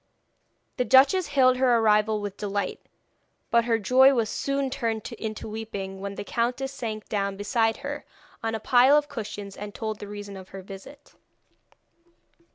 The duchess hailed her arrival with delight, but her joy was soon turned into weeping when the countess sank down beside her on a pile of cushions, and told the reason of her visit.